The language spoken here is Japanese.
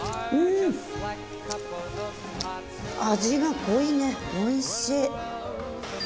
味が濃いねおいしい。